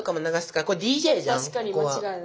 確かに間違いない。